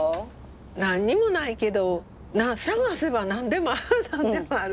何にもないけど探せば何でも何でもある。